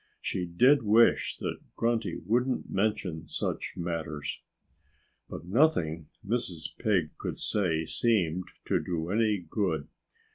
She did wish that Grunty wouldn't mention such matters. But nothing Mrs. Pig could say seemed to do any good.